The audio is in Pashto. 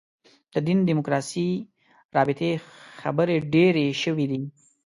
د دین دیموکراسي رابطې خبرې ډېرې شوې دي.